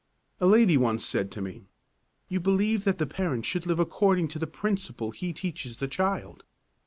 A lady once said to me: "You believe that the parent should live according to the principle he teaches the child.